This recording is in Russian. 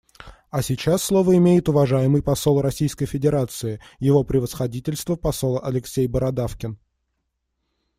А сейчас слово имеет уважаемый посол Российской Федерации — Его Превосходительство посол Алексей Бородавкин.